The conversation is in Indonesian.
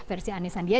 versi anisandi ya